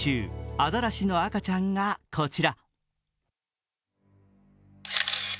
あざらしの赤ちゃんがこちら。